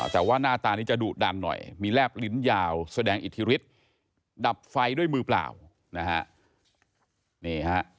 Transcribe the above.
แต่ว่าหน้าตานี้จะดุดันหน่อยมีแลบลิ้นยาวแสดงอิทธิฤทธิ์ดับไฟด้วยมือเปล่านะฮะ